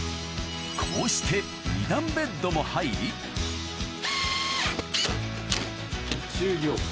こうして２段ベッドも入り終了。